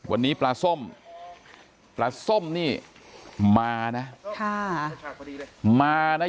วันนี้ปลาส้มปลาส้มนี่มานะค่ะมานะ